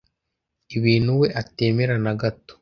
ibintu we atemera na gato